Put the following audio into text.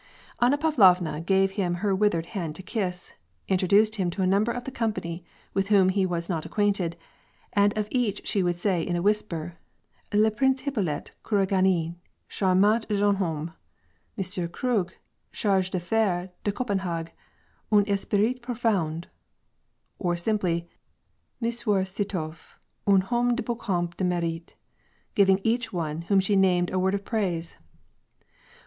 Anna Pavlovna gave him her withered hand to kiss, intro duced him to a number of the company with whom he was not acquainted, and of each she would say in a whisper, —" Le Prince Hippolite Kouraguine^ channant jeune hommt; Monsieur Krouq, charge d^ affairs de Kopenhague, un esprit profond," or simply, " Monsieur Sitof, nn hoinme de beaucoup de merite,^^ giving each one whom she named a word of praise.